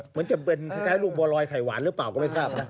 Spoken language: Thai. เหมือนจะเป็นคล้ายลูกบัวรอยไข่หวานหรือเปล่าก็ไม่ทราบนะ